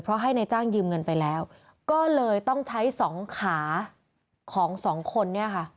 เพราะให้นายจ้างยืมเงินไปแล้วก็เลยต้องใช้สองขาของสองคนเนี่ยค่ะ